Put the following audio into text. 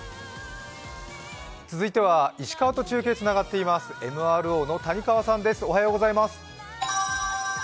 続いては石川と中継つながっていますあＭＲＯの谷川さんです、おはようございます。